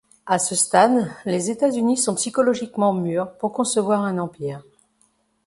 À ce stade, les États-Unis sont psychologiquement mûrs pour concevoir un empire.